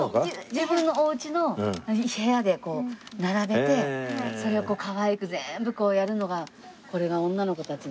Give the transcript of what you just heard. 自分のお家の部屋で並べてそれをかわいく全部やるのがこれが女の子たちの。